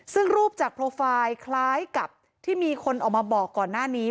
ซึ่งรูปจากโปรไฟล์คล้ายกับที่มีคนออกมาบอกก่อนหน้านี้